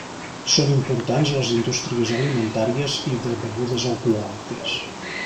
Són importants les indústries alimentàries i de begudes alcohòliques.